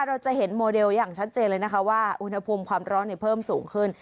เราจะเห็นโมเดลอย่างชัดเจนเลยนะคะว่าอุณหภูมิความร้อนเพิ่มสูงขึ้น